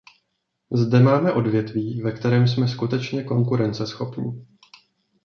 Zde máme odvětví, ve kterém jsme skutečně konkurenceschopní.